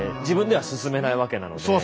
自分では進めないわけなので。